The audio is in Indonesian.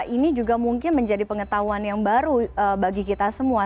ini juga mungkin menjadi pengetahuan yang baru bagi kita semua